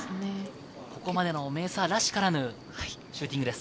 ここまでのメーサーらしからぬシューティングです。